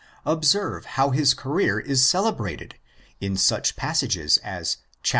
Observe how his career is celebrated in such passages as iv.